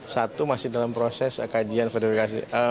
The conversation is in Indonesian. satu masih dalam proses kajian verifikasi